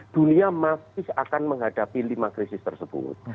dunia masih akan menghadapi lima krisis tersebut